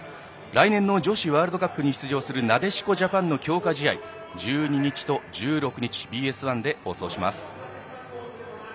来年の女子ワールドカップに出場する、なでしこジャパンの強化試合、１２日と１６日ＢＳ１で放送します。